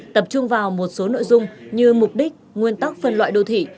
tập trung vào một số nội dung như mục đích nguyên tắc phân loại đô thị